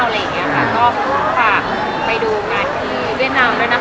ก็ขอบคุณค่ะไปดูการที่เวียดนามด้วยนะคะ